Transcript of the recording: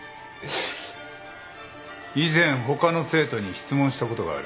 以前他の生徒に質問したことがある。